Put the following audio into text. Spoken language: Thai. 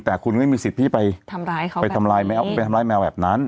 แต่คุณไม่มีสิทธิ์ที่ไปทำร้ายเขาไปทำร้ายไปทำร้ายแมวแบบนั้น